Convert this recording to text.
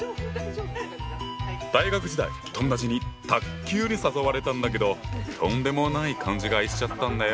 大学時代友達に卓球に誘われたんだけどとんでもない勘違いしちゃったんだよ！